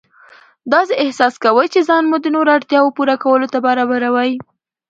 داسې احساس کوئ چې ځان مو د نورو اړتیاوو پوره کولو ته برابروئ.